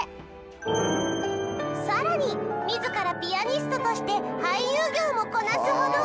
さらに自らピアニストとして俳優業もこなすほど。